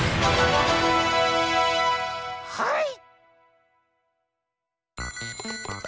はい！